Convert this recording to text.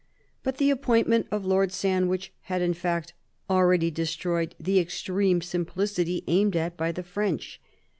But the appointment of Lord Sandwich had, in fact, already destroyed the extreme simplicity aimed at by the French.